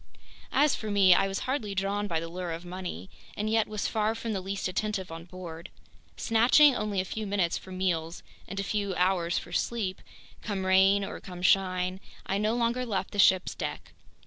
As for me, I was hardly drawn by the lure of money and yet was far from the least attentive on board. Snatching only a few minutes for meals and a few hours for sleep, come rain or come shine, I no longer left the ship's deck.